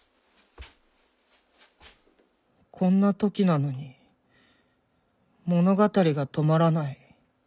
こんな時なのに物語が止まらない。